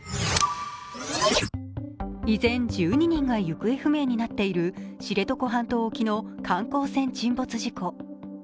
依然、１２人が行方不明になっている知床半島沖の観光船沈没事故。